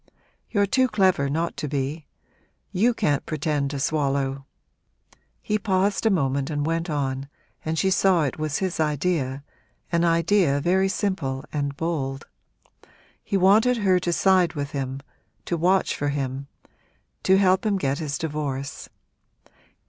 You're too clever not to be; you can't pretend to swallow ' He paused a moment and went on, and she saw it was his idea an idea very simple and bold. He wanted her to side with him to watch for him to help him to get his divorce.